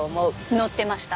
乗ってました。